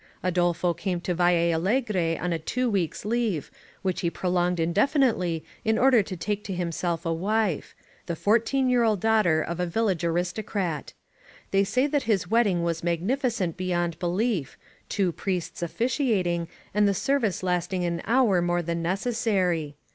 Adolfo came to Valle Allegre on a two weeks' leave, which he prolonged indefinitely in order to take to himself a wife — ^the fourteen year old daughter of a vil lage aristocrat. They say that his wedding was mag nificent beyond belief, two priests officiating and the service lasting an hour more than necessary.